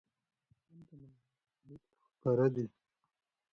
د افغانستان په منظره کې نفت ښکاره ده.